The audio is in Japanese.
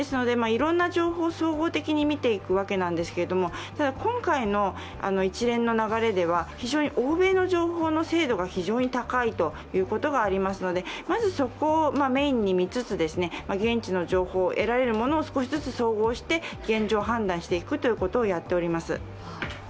いろんな情報を総合的に見ていくわけなんですけれども、ただ、今回の一連の流れでは欧米の情報の精度が非常に高いということがありますので、まずそこをメーンに見つつ現地の情報を得られるものを少しずつ総合して現状を判断していくということをやっております。